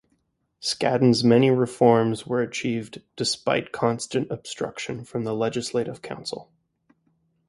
Scaddan's many reforms were achieved despite constant obstruction from the Legislative Council.